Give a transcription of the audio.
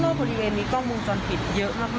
แล้วพบโลกบริเวณนี้กล้องวงจรผิดเยอะมากเลยค่ะ